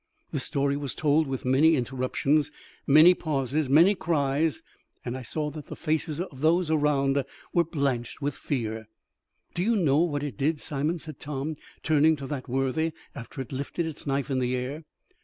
This story was told with many interruptions, many pauses, many cries, and I saw that the faces of those around were blanched with fear. "Do you know what it did, Simon," said Tom, turning to that worthy, "after it lifted its knife in the air?"